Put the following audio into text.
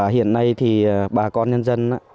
hiện nay bà con nhân dân cũng đã yêu cầu bảo vệ rừng